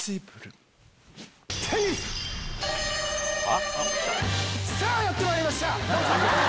は？さあ、やってまいりました。